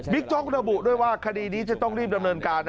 โจ๊กระบุด้วยว่าคดีนี้จะต้องรีบดำเนินการ